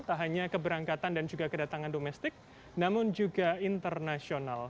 tak hanya keberangkatan dan juga kedatangan domestik namun juga internasional